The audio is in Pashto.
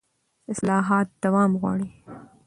اصلاحات دوام غواړي